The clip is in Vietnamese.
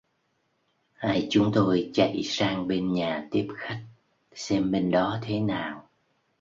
Hai chúng tôi chạy sang bên nhà tiếp khách, xem bên đó thế nào